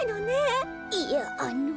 いやあの。